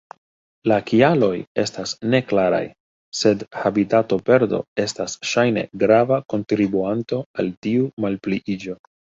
La kialoj estas neklaraj, sed habitatoperdo estas ŝajne grava kontribuanto al tiu malpliiĝo.